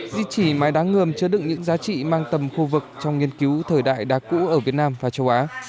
di chỉ mái đá ngườm chứa đựng những giá trị mang tầm khu vực trong nghiên cứu thời đại đá cũ ở việt nam và châu á